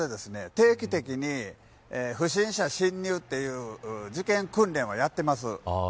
定期的に不審者侵入という事件訓練はやっています。